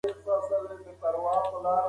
غفلت د ناپوهۍ سبب ګرځي.